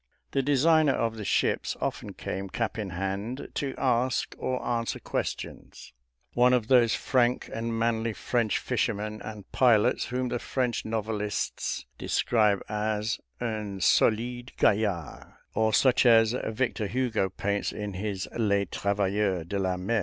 The designer of the ships often came, cap in hand, to ask or answer questions one of those frank and manly French fishermen and pilots, whom the French novelists describe as "un solide gaillard," or such as Victor Hugo paints in his "Les Travailleurs de la Mer."